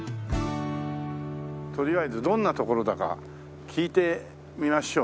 とりあえずどんな所だか聞いてみましょうねはい。